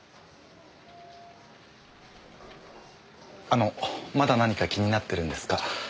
あのまだ何か気になってるんですか？